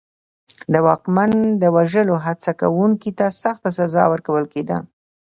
د واکمن د وژلو هڅه کوونکي ته سخته سزا ورکول کېده.